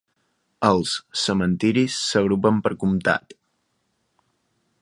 Els cementiris s'agrupen per comtat.